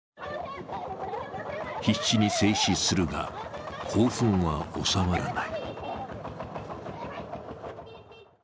必死に制止するが、興奮は収まらない。